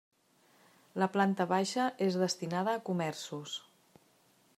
La planta baixa és destinada a comerços.